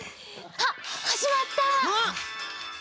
あっはじまった！